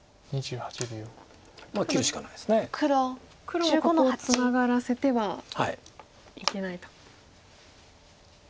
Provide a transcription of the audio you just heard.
黒もここをツナがらせてはいけないと。